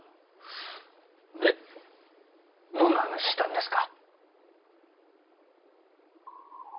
でどんな話したんですか？